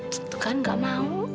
tentu kan nggak mau